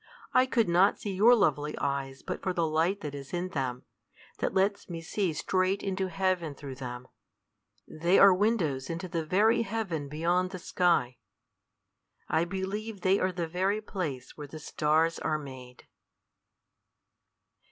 I could not see your lovely eyes but for the light that is in them; that lets me see straight into heaven through them. They are windows into the very heaven beyond the sky. I believe they are the very place where the stars are made."